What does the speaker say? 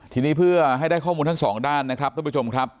ทีนี้เพื่อให้ได้ข้อมูลทั้งสองด้านนะครับท่านผู้ชมครับ